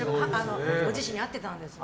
ご自身に合ってたんですね。